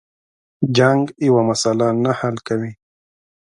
جنگ یوه مسله نه حل کوي.